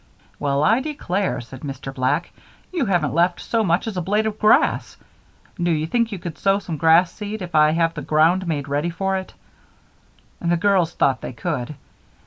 "Well, I declare," said Mr. Black. "You haven't left so much as a blade of grass. Do you think you could sow some grass seed if I have the ground made ready for it?" The girls thought they could.